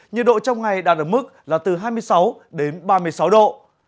nhiệt độ trong ngày đạt ở mức là từ hai mươi sáu đến ba mươi sáu độ